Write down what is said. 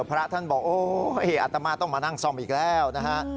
พระท่านบอกโอ้อัตมาต้องมานั่งซ่อมอีกแล้วนะฮะ